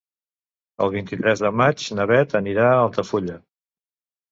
El vint-i-tres de maig na Beth anirà a Altafulla.